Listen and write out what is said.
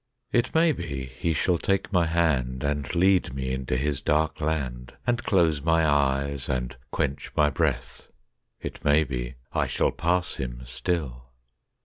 It may be he shall take my hand And lead me into his dark land And close my eyes and quench my breath It may be I shall pass him still.